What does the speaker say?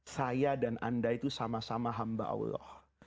saya dan anda itu sama sama hamba allah